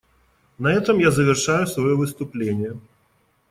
На этом я завершаю свое выступление.